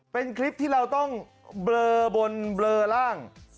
เป็นคลิปที่เราต้องเบลอบนเบลอร่าง